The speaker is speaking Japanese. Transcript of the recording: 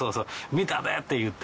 見たでって言って。